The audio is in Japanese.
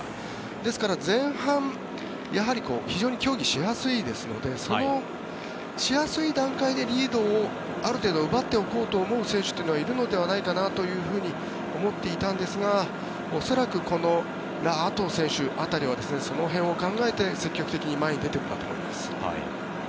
ですから前半、やはり非常に競技しやすいですのでそのしやすい段階でリードを、ある程度奪っておこうという選手はいるのではないかなと思っていたんですが恐らくラ・アトウ選手辺りはその辺を考えて、積極的に前に出ていると思います。